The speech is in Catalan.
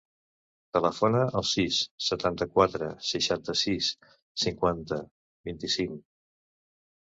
Telefona al sis, setanta-quatre, seixanta-sis, cinquanta, vint-i-cinc.